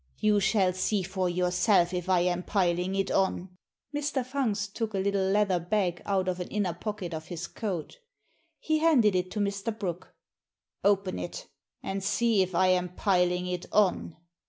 You shall see for yourself if I am piling it on." Mr. Fungst took a little leather bag out of an inner pocket of his coat He handed it to Mr. Brooke. " Open it, and see if I am piling it on."